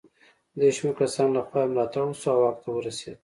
د یو شمېر کسانو له خوا یې ملاتړ وشو او واک ته ورسېد.